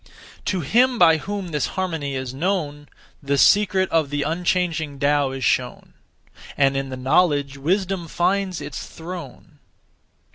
To him by whom this harmony is known, (The secret of) the unchanging (Tao) is shown, And in the knowledge wisdom finds its throne.